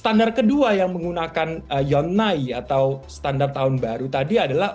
standar kedua yang menggunakan yonnai atau standar tahun baru tadi adalah